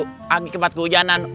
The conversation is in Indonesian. pagi kembat keujanan